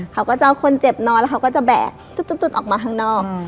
เขาก็จะเอาคนเจ็บนอนแล้วเขาก็จะแบกตุ๊ดออกมาข้างนอก